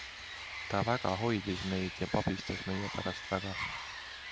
Ta väga hoidis meid ja pabistas meie pärast väga.